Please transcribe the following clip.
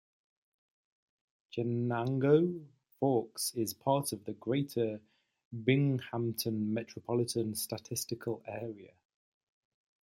Chenango Forks is part of the Greater Binghamton Metropolitan Statistical Area.